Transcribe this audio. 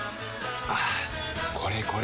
はぁこれこれ！